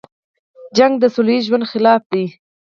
جګړه د سوله ییز ژوند خلاف ده